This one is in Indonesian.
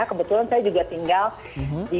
kebetulan saya juga tinggal di